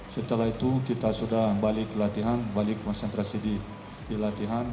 setelah itu kita sudah balik latihan balik konsentrasi di latihan